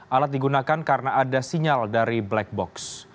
alat digunakan karena ada sinyal dari black box